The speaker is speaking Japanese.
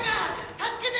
助けて！